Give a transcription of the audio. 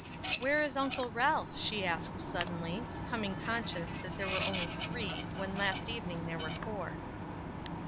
"Where is Uncle Ralph?" she asked suddenly, becoming conscious that there were only three, when last evening there were four.